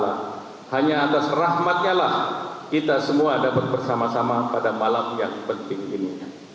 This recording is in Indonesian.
hanya atas rahmatnya lah kita semua dapat bersama sama pada malam yang penting ini